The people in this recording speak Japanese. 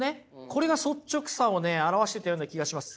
これが率直さをね表してたような気がします。